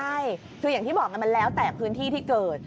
ใช่คืออย่างที่บอกไงมันแล้วแต่พื้นที่ที่เกิด